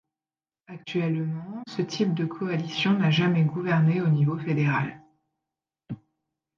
Actuellement, ce type de coalition n'a jamais gouverné au niveau fédéral.